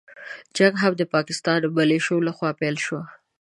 جنګ هم د پاکستاني مليشو له خوا پيل شو.